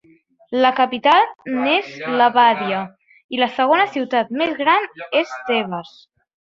La capital n'és Levàdia i la segona ciutat més gran és Tebes.